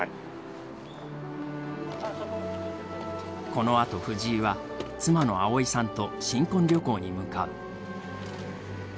このあと藤井は妻の葵さんと新婚旅行に向かう。